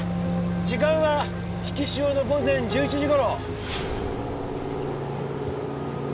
時間は引き潮の午前１１時頃。